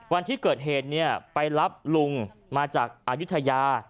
วันที่เกิดเหตุไปรับลุงมาจากอายุทยา